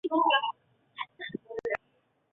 它们是唯一在加勒比海及墨西哥湾生活的海豹。